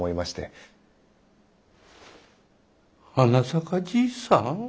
はなさかじいさん？